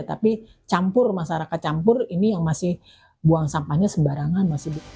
tapi campur masyarakat campur ini yang masih buang sampahnya sembarangan